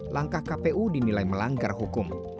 langkah kpu dinilai melanggar hukum